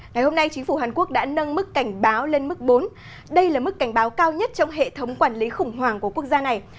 ngày hôm nay chính phủ hàn quốc đã nâng mức cảnh báo lên mức bốn đây là mức cảnh báo cao nhất trong hệ thống quản lý khủng hoảng của quốc gia này